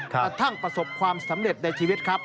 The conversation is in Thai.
กระทั่งประสบความสำเร็จในชีวิตครับ